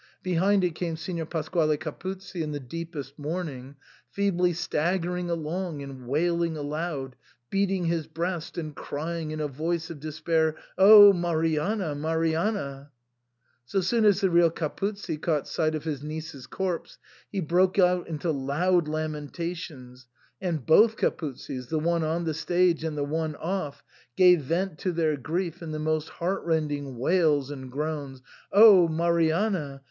Behind it came Signor Pasquale Capuzzi in the deepest mourning, feebly staggering along and wailing aloud, beating his breast, and crying in a voice of despair, "O Marianna! Marianna !" So soon as the real Capuzzi caught sight of his niece's corpse he broke out into loud lamentations, and both Capuzzis, the one on the stage and the one off, gave vent to their grief in the most heartrending wails and groans, '*0 Marianna!